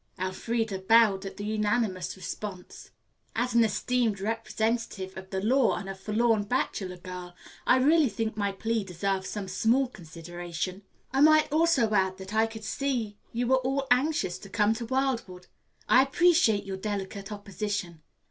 Elfreda bowed at the unanimous response. "As an esteemed representative of the law and a forlorn bachelor girl, I really think my plea deserves some small consideration. I might also add that I could see you were all anxious to come to Wildwood. I appreciate your delicate opposition."